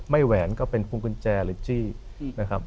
แหวนก็เป็นพุงกุญแจหรือจี้นะครับ